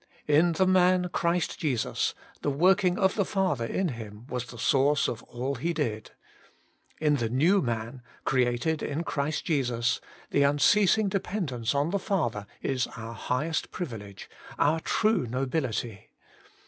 In the man Christ Jesus the working of the Father in Him was the source of all He did. In the new man, created in Christ Jesus, the unceasing dependence on the Father is our highest privilege, our true nobility.